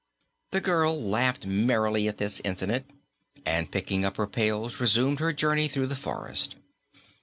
The girl laughed merrily at this incident and, picking up her pails, resumed her journey through the forest.